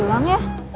mau kemana cedo